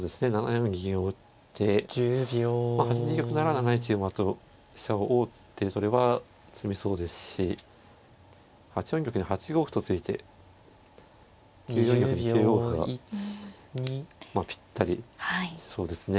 ７四銀を打ってまあ８二玉なら７一馬と飛車を王手で取れば詰みそうですし８四玉に８五歩と突いて９四玉に９五歩がまあぴったりしそうですね。